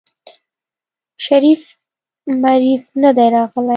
شريف مريف ندی راغلی.